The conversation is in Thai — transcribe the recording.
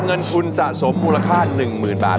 เงินทุนสะสมมูลค่า๑๐๐๐บาท